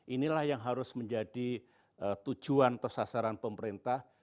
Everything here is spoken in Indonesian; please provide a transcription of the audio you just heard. inilah yang harus menjadi tujuan atau sasaran pemerintah